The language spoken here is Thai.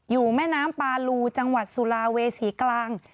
แม่น้ำปาลูจังหวัดสุลาเวษีกลาง